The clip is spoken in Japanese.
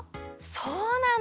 そうなの！？